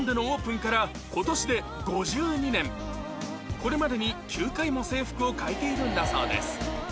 これまでに９回も制服を変えているんだそうです